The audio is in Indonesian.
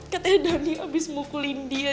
katanya dhani abis mukulin dia